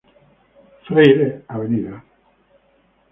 Freyre; Av.